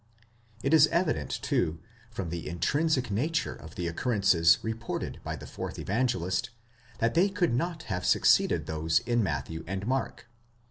It is evident, too, from the intrinsic nature of the occurrences reported by the fourth Evangelist, that they could not have suc ceeded those in Matthew and Mark.